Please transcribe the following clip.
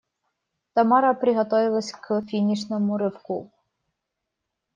Тамара приготовилась к финишному рывку.